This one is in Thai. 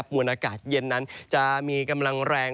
มวลอากาศเย็นนั้นจะมีกำลังแรง